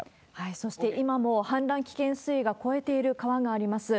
そして今も氾濫危険水位が超えている川があります。